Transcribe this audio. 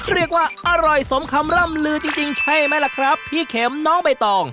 เรียกว่าอร่อยสมคำร่ำลือจริงใช่ไหมล่ะครับพี่เข็มน้องใบตอง